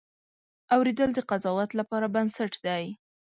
اورېدل د قضاوت لپاره بنسټ دی.